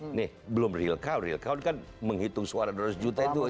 ini belum real count real count kan menghitung suara dua ratus juta itu